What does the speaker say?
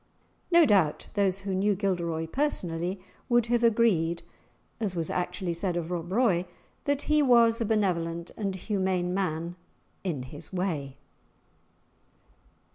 [#] Makes. No doubt those who knew Gilderoy personally would have agreed, as was actually said of Rob Roy, that he was a benevolent and humane man "in his way."